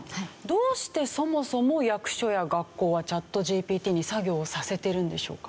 どうしてそもそも役所や学校はチャットＧＰＴに作業をさせてるんでしょうか？